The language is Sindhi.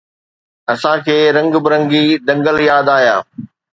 اسان کي رنگ برنگي دنگل ياد آيا